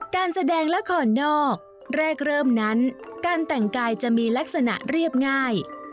การแสดงละครนอกแรกเริ่มนั้นการแต่งกายจะมีลักษณะเรียบง่าย